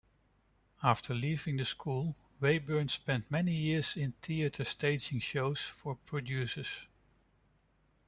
After leaving the school, Wayburn spent many years in theater staging shows for producers.